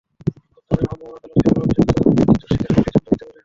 বর্তমানে ভ্রাম্যমাণ আদালত কেবল অভিযুক্ত ব্যক্তি দোষ স্বীকার করলেই দণ্ড দিতে পারেন।